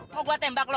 mau gua tembak lo